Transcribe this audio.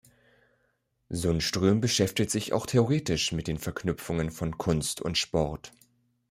Sundström beschäftigt sich auch theoretisch mit den Verknüpfungen von Kunst und Sport.